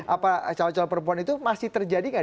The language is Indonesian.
apa calon calon perempuan itu masih terjadi gak